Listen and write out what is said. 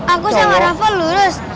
aku sama rafa lurus